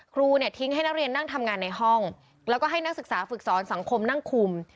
ครูเนี่ยทิ้งให้นักเรียนนั่งทำงานในห้องแล้วก็ให้นักศึกษาฝึกสอนสังคมนั่งคุม